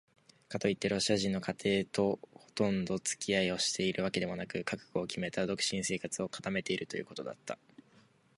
かといってロシア人の家庭ともほとんどつき合いをしているわけでもなく、覚悟をきめた独身生活を固めているということだった。